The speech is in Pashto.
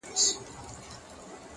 ورېځو راتور کړ